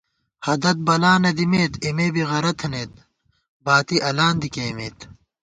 ہَدت بلا نہ دِمېت، اېمے بی غرَہ تھنَئیت، باتی الان دی کېئیمېت